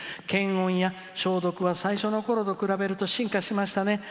検温や消毒は最初のころと比べると進化しましたね。